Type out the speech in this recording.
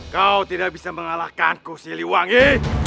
kau tidak bisa mengalahkanku siliwangi